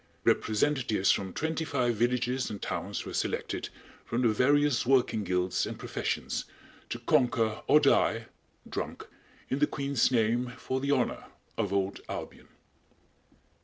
Representatives from twenty five villages and towns were selected, from the various working guilds and professions, to conquer or die (drunk) in the Queen's name for the honor of Old Albion.